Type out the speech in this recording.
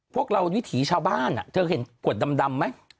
พวกเราวิถีชาวบ้านเธอเห็นกวดดำไหม